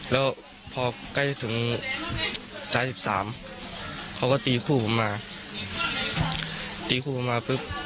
แล้วพอใกล้ถึงสายสิบสามเขาก็ตีคู่มาตีคู่มา